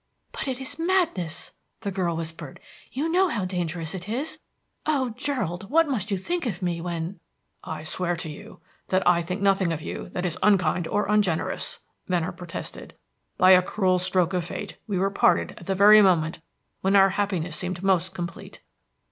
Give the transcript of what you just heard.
"But it is madness," the girl whispered. "You know how dangerous it is. Oh, Gerald, what must you think of me when " "I swear to you that I think nothing of you that is unkind or ungenerous," Venner protested. "By a cruel stroke of fate we were parted at the very moment when our happiness seemed most complete.